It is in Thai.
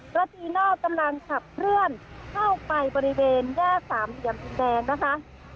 รถอีโน่กำลังขับเคลื่อนเข้าไปบริเวณแยก๓เหตุแดงนะคะ